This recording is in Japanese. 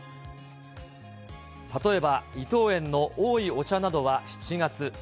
例えば、伊藤園のおいお茶などは７月。